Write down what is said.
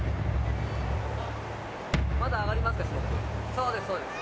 そうですそうです。